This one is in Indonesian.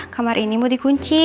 kamar ini mau dikunci